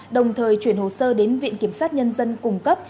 đồng thời chuyển hồ sơ đến viện kiểm sát nhân dân cung cấp